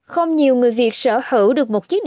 không nhiều người việt sở hữu được một chiếc